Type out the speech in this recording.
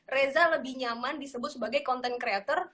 reza lebih nyaman disebut sebagai content creator